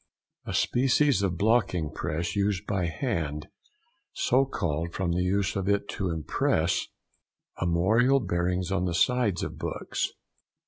—A species of blocking press used by hand; so called from the use of it to impress armorial bearings on the sides of books.